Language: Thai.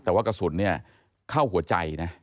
แต่ว่ากระสุนเข้าหัวใจนะ